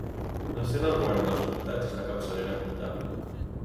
La seu del govern dels comtats és la capçalera comtal.